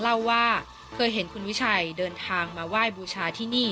เล่าว่าเคยเห็นคุณวิชัยเดินทางมาไหว้บูชาที่นี่